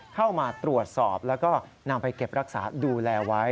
เข้ามาตรวจสอบแล้วก็นำไปเก็บรักษาดูแลไว้